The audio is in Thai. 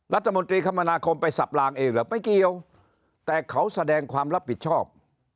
รัฐมนตรีคมนาคมไปสับลางเองเหรอไม่เกี่ยวแต่เขาแสดงความรับผิดชอบ